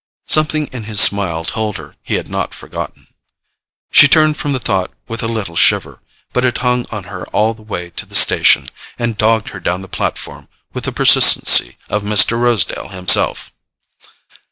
Something in his smile told her he had not forgotten. She turned from the thought with a little shiver, but it hung on her all the way to the station, and dogged her down the platform with the persistency of Mr. Rosedale himself.